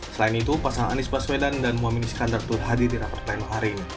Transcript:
selain itu pasangan anies baswedan dan muhammad iskandar tuhadid di rapat plenum hari ini